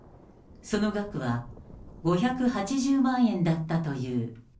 その額は５８０万円だったという。